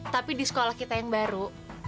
tapi di sekolah kita yang baru